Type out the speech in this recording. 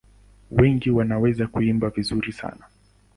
Wengi wanaweza kuimba vizuri sana.